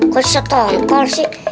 kok setongkol sih